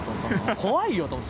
怖いよと思って。